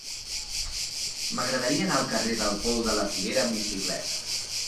M'agradaria anar al carrer del Pou de la Figuera amb bicicleta.